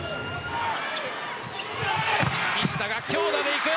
西田が強打でいく。